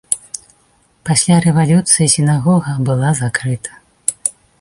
Пасля рэвалюцыі сінагога была закрыта.